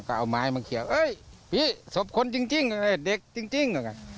ก็เอาไม้มาเขียวเอ้ยพี่ศพคนจริงเด็กจริง